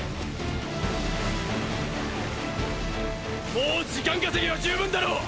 もう時間稼ぎは十分だろう